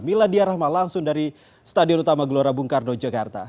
miladia rahma langsung dari stadion utama gelora bung karno jakarta